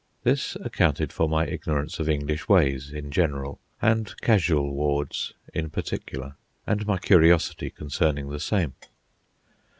This accounted for my ignorance of English ways in general and casual wards in particular, and my curiosity concerning the same.